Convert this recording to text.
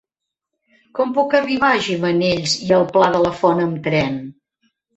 Com puc arribar a Gimenells i el Pla de la Font amb tren?